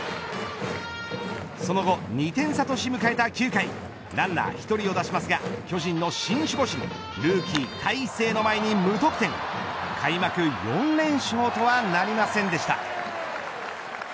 その後２点差とし迎えた９回ランナー１人を出しますが巨人の新守護神ルーキー大勢の前に無得点開幕４連勝とはなりませんでした。